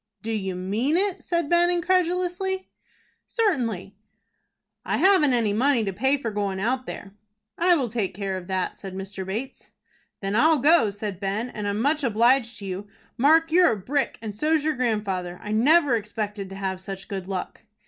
"Do you mean it?" said Ben, incredulously. "Certainly." "I haven't any money to pay for goin' out there." "I will take care of that," said Mr. Bates. "Then I'll go," said Ben, "and I'm much obliged to you. Mark, you're a brick, and so's your grandfather. I never expected to have such good luck."